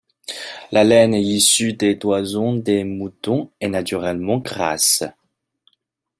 La laine issue des toisons des moutons est naturellement grasse.